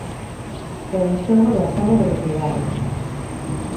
É un xogo de azar e velocidade.